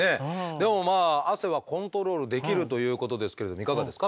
でもまあ汗はコントロールできるということですけれどいかがですか？